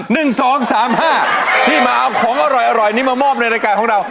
หนึ่งสองสามห้าที่มาเอาของอร่อยอร่อยนี้มามอบในรายการของเรา